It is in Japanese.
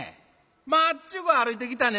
まっちゅぐ歩いてきたね。